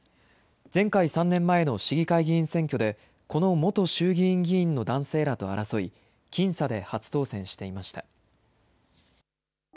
前回・３年前の市議会議員選挙で、この元衆議院議員の男性らと争い、僅差で初当選していました。